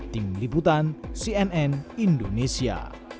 tim liputan cnn indonesia